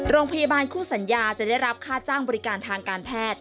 โรงพยาบาลคู่สัญญาจะได้รับค่าจ้างบริการทางการแพทย์